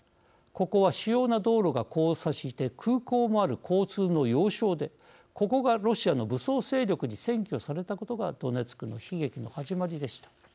ここは、主要な道路が交差して空港もある交通の要衝でここがロシアの武装勢力に占拠されたことがドネツクの悲劇の始まりでした。